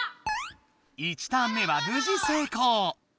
１ターン目はぶじ成功！